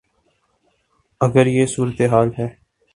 اگر یہ صورتحال ہے۔